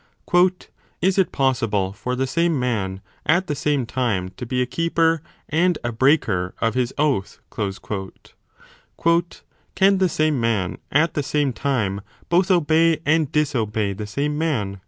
Is it possible for the same man at the same time to be a keeper and a breaker of his oath ? Can the same man at the same time both obey and disobey the same man